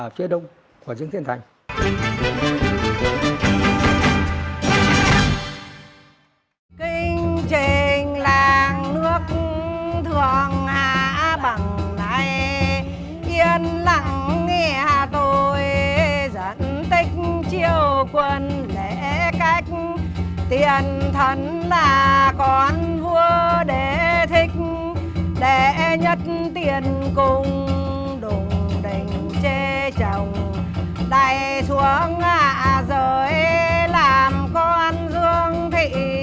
bà trấn quốc minh là chế đông của dương thiên thành